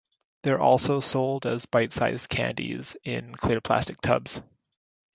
They are also sold as bite size candies in clear plastic tubs.